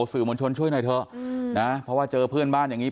สื่อมวลชนช่วยหน่อยเถอะนะเพราะว่าเจอเพื่อนบ้านอย่างนี้